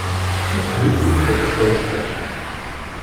Ich will zum Protokoll sprechen.